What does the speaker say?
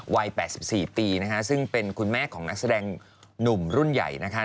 วัย๘๔ปีนะคะซึ่งเป็นคุณแม่ของนักแสดงหนุ่มรุ่นใหญ่นะคะ